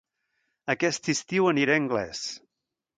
Aquest estiu aniré a Anglès